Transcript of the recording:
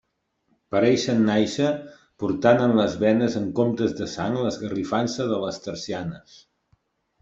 Pareixien nàixer portant en les venes en comptes de sang l'esgarrifança de les tercianes.